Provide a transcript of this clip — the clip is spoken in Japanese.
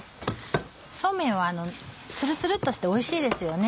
そうめんはツルツルっとしておいしいですよね。